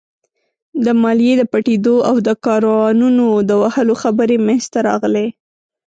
د ماليې د پټېدو او د کاروانونو د وهلو خبرې مينځته راغلې.